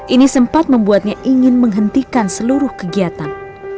ini sempat membuatnya ingin menghentikan seluruh kegiatan